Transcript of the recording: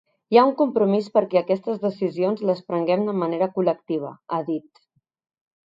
Hi ha un compromís perquè aquestes decisions les prenguem de manera col·lectiva, ha dit.